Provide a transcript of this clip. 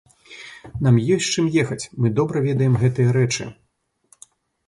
Нам ёсць з чым ехаць, мы добра ведаем гэтыя рэчы.